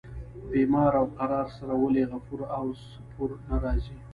بیمار او قرار سره ولي غفور او سپور نه راځي.